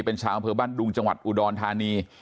เป็นชาวบ้านดุงจังหวัดอุดรธานี